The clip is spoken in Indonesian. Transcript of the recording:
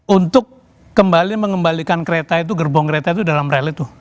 untuk kembali mengembalikan kereta itu gerbong kereta itu dalam rel itu